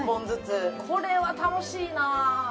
これは楽しいな。